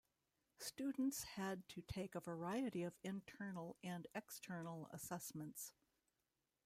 Students had to take a variety of internal and external assessments.